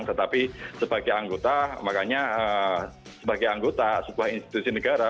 tetapi sebagai anggota makanya sebagai anggota sebuah institusi negara